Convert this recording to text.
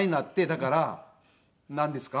だからなんですか。